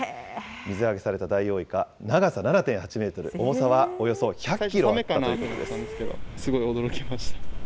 水揚げされたダイオウイカ、長さ７．８メートル、重さはおよそ１００キロあったということです。